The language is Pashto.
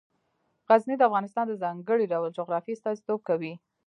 غزني د افغانستان د ځانګړي ډول جغرافیه استازیتوب کوي.